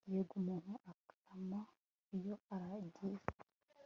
yego umuntu akama iyo aragiye